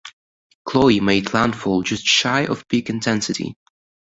Chloe made landfall just shy of peak intensity.